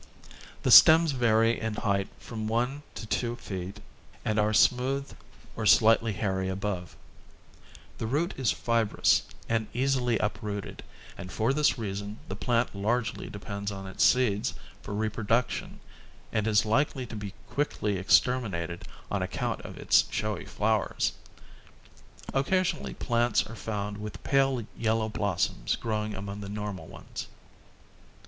The stems vary in height from one to two feet and are smooth or slightly hairy above. The root is fibrous and easily uprooted and for this reason the plant largely depends on its seeds for reproduction and is likely to be quickly exter ' Illustrated by the aid of the Stokes Fund for the Preservation of Native Plants. 124 minated on account of Its showy flowers. Occasionally plants are found with pale yellow blossoms growing among the normal ones.